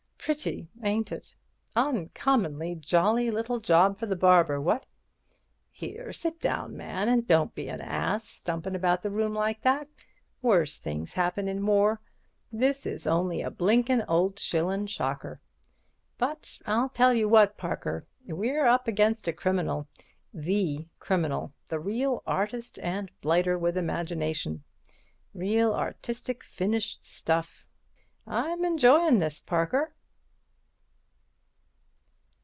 Pretty, ain't it? Uncommonly jolly little job for the barber, what? Here, sit down, man, and don't be an ass, stumpin' about the room like that. Worse things happen in war. This is only a blinkin' old shillin' shocker. But I'll tell you what, Parker, we're up against a criminal—the criminal—the real artist and blighter with imagination—real, artistic, finished stuff. I'm enjoyin' this, Parker."